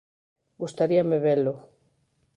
Gustaríame velo.